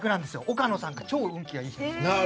岡野さんが超運気がいい日なんですよ。